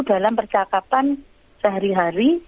dalam percakapan sehari hari